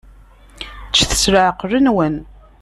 Ččet s leɛqel-nwen.